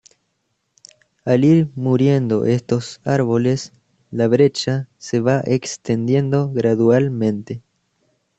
Al ir muriendo estos árboles, la brecha se va extendiendo gradualmente.